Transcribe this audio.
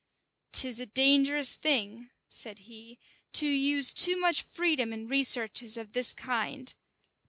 "'Tis a dangerous thing," said he, "to use too much freedom in researches of this kind.